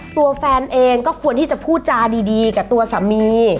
ตัวแฟนเองก็ควรที่จะพูดจาดีกับตัวสามี